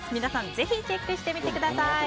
ぜびチェックしてみてください。